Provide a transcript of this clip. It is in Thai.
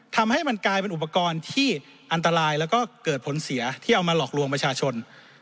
ทำให้มันกลายเป็นอุปกรณ์ที่อันตรายแล้วก็เกิดผลเสียที่เอามาหลอกลวงประชาชน